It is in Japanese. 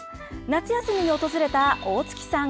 夏休みに訪れた大槻さん